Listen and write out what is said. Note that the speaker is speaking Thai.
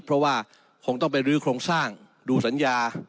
เพราะว่าคงต้องไปรื้อโครงสร้างดูสัญญา